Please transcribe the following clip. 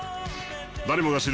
誰もが知る